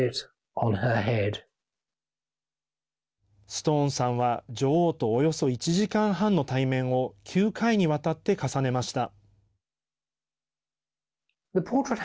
ストーンさんは女王とおよそ１時間半の対面を９回にわたって重ねました。